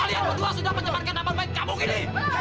kalian berdua sudah menyebarkan nama baik kamu gini